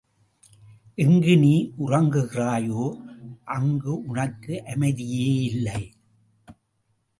எங்கு நீ உறங்குகிறாயோ அங்கு உனக்கு அமைதியே இல்லை.